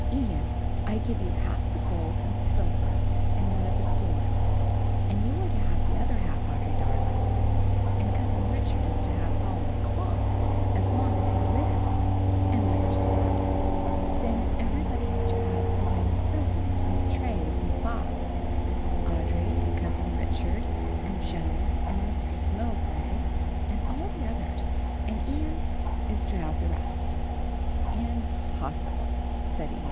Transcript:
"Ian, I give you half the gold and silver and one of the swords, and you are to have the other half, Audry darling, and Cousin Richard is to have Holwick Hall as long as he lives and the other sword. Then everybody is to have some nice presents from the trays and the box, Audry and Cousin Richard, and Joan and Mistress Mowbray and all the others, and Ian is to have the rest." "Impossible," said Ian.